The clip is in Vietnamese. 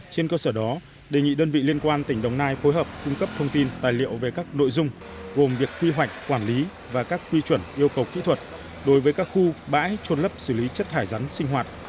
trên cơ sở đó đề nghị đơn vị liên quan tỉnh đồng nai phối hợp cung cấp thông tin tài liệu về các nội dung gồm việc quy hoạch quản lý và các quy chuẩn yêu cầu kỹ thuật đối với các khu bãi trôn lấp xử lý chất thải rắn sinh hoạt